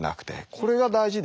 これが大事で。